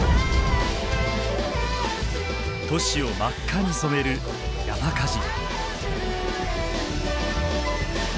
都市を真っ赤に染める山火事。